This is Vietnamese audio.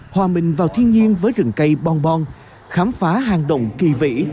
hòa mình vào thiên nhiên với rừng cây bong bong khám phá hàng động kỳ vĩ